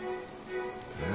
え？